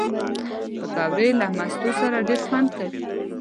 پکورې له مستو سره ډېر خوند کوي